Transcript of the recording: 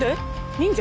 忍者？